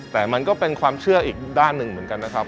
แต่มันก็เป็นความเชื่ออีกด้านหนึ่งเหมือนกันนะครับ